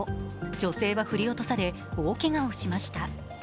女性は振り落とされ大けがをしました。